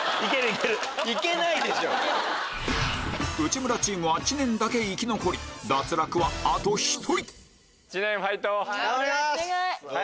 内村チームは知念だけ生き残り脱落はあと１人頑張ります。